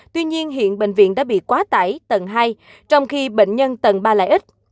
tuy nhiên hiện bệnh viện đã bị quá tải tầng hai trong khi bệnh nhân tầng ba lại ít